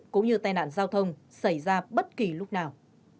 cũng như tai nạn giao thông xảy ra bất kỳ lúc nào